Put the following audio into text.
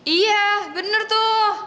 iya bener tuh